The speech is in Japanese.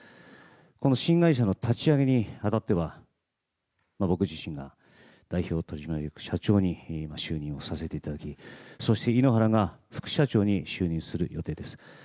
この新会社の立ち上げに当たっては僕自身が代表取締役社長に就任させていただきそして井ノ原が副社長に就任する予定です。